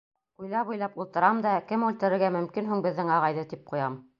— Уйлап-уйлап ултырам да, кем үлтерергә мөмкин һуң беҙҙең ағайҙы, тип ҡуям.